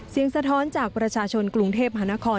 สะท้อนจากประชาชนกรุงเทพมหานคร